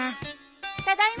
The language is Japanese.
ただいま。